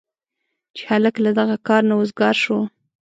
چې هلک له دغه کاره نه وزګار شو.